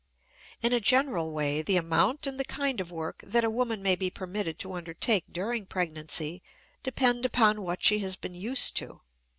In a general way the amount and the kind of work that a woman may be permitted to undertake during pregnancy depend upon what she has been used to.